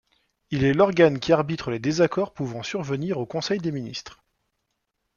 Il est l'organe qui arbitre les désaccords pouvant survenir au Conseil des ministres.